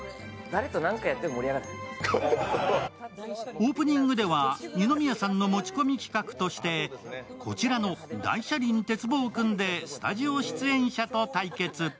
オープニングでは二宮さんの持ち込み企画としてこちらの大車輪てつぼうくんでスタジオ出演者と対決。